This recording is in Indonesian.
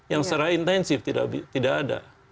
yang secara intensif tidak ada